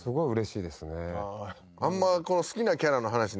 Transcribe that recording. あんま。